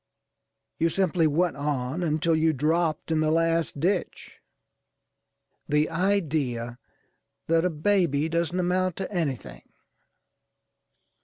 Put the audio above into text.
You simply went on until you dropped in the last ditch. The idea that a baby doesn't amount to anything!